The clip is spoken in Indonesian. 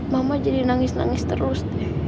mama jadi nangis nangis terus